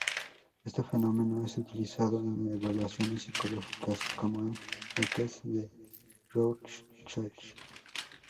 Este fenómeno es utilizado en evaluaciones psicológicas, como en el test de Rorschach.